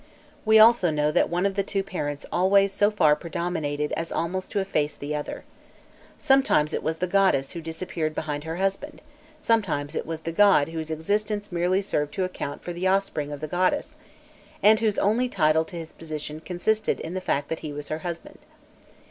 We also know that one of the two parents always so far predominated as almost to efface the other. Sometimes it was the goddess who disappeared behind her husband; sometimes it was the god whose existence merely served to account for the offspring of the goddess, and whose only title to his position consisted in the fact that he was her husband.